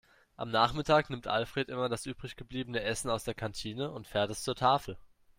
Am Nachmittag nimmt Alfred immer das übrig gebliebene Essen aus der Kantine und fährt es zur Tafel.